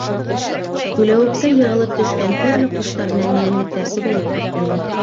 Күләүеккә йығылып төшкән төрлө ҡоштар менән йәнлектәр күбәйеп киткәйне.